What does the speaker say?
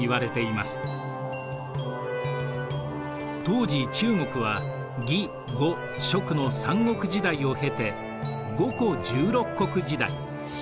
当時中国は魏呉蜀の三国時代を経て五胡十六国時代。